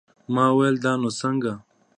ما وويل دا نو څنگه.